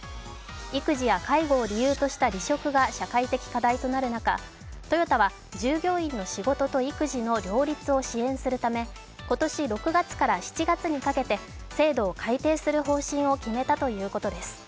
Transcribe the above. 育児や介護を理由とした離職が社会的課題となる中トヨタは従業員の仕事と育児の両立を支援するため今年６月から７月にかけて制度を改定する方針を決めたということです。